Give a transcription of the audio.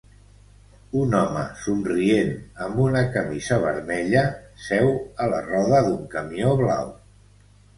Un home somrient amb una camisa vermella seu a la roda d'un camió blau.